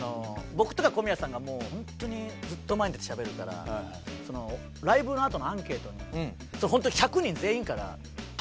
僕とか小宮さんがホントにずっと前に出てしゃべるからライブのあとのアンケートにホントに１００人全員から。